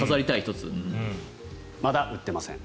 まだ売っていません。